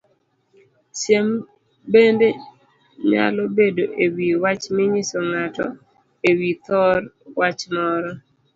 Siem bende nyalo bedo ewii wach minyiso ng'ato ewi thor wach moro